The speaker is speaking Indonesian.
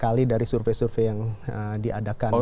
tiga kali dari survei survei yang diadakan